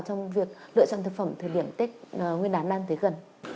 trong việc lựa chọn thực phẩm thời điểm tết nguyên đán đang tới gần